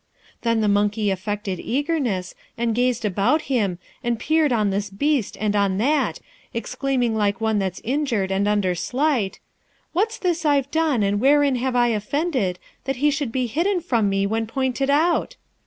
'Then the monkey affected eagerness, and gazed about him, and peered on this beast and on that, exclaiming like one that's injured and under slight, "What's this I've done, and wherein have I offended, that he should be hidden from me when pointed out?"